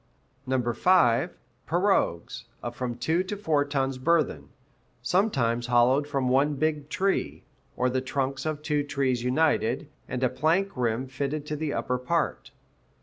(5) Pirogues, of from two to four tons burthen, "sometimes hollowed from one big tree, or the trunks of two trees united, and a plank rim fitted to the upper part."